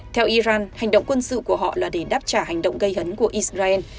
theo iran hành động quân sự của họ là để đáp trả hành động gây gấn của israel